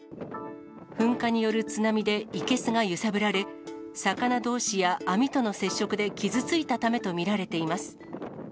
噴火による津波で生けすが揺さぶられ、魚どうしや網との接触で傷ついたためと見られています。